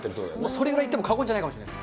それぐらい言っても過言じゃないかもしれません。